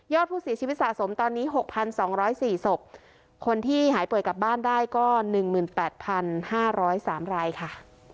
ยอดผู้เสียชีวิตสะสมตอนนี้หกพันสองร้อยสี่สบคนที่หายป่วยกลับบ้านได้ก็หนึ่งหมื่นแปดพันห้าร้อยสามรายค่ะ